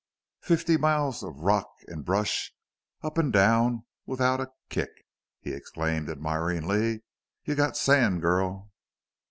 "Fifty miles of rock and brush, up and down! Without a kick!" he exclaimed, admiringly. "You've got sand, girl!"